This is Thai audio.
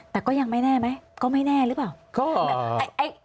แต่ก็ยังไม่แน่ไหมก็ไม่แน่หรือเปล่า